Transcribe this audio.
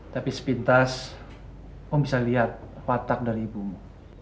tapi sepintas om bisa lihat watak dari ibumu